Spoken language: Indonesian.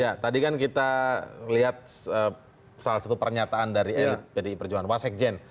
ya tadi kan kita lihat salah satu pernyataan dari elit pdi perjuangan wasek jen